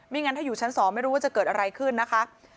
งั้นถ้าอยู่ชั้น๒ไม่รู้ว่าจะเกิดอะไรขึ้นนะคะ